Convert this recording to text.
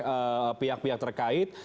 baik oleh pihak pihak terkait